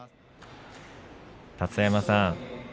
立田山さん